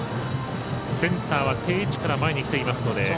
センターは定位置から前にきていますので。